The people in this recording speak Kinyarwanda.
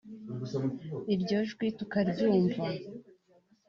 iryo jwi tukaryumva